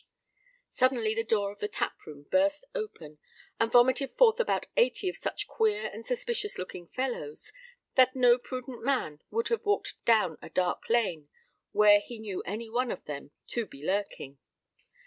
Suddenly the door of the tap room burst open and vomited forth about eighty of such queer and suspicious looking fellows, that no prudent man would have walked down a dark lane where he knew any one of them to be lurking.